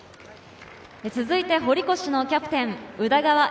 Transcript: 続いて堀越のキャプテン・宇田川瑛